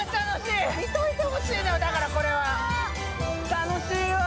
楽しいわ。